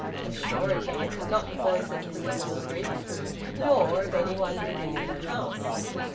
Assuredly it was not the voice of Mr Orgreave, nor of any one living in the house.